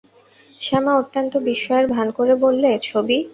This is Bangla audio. শ্যামা অত্যন্ত বিস্ময়ের ভান করে বললে, ছবি!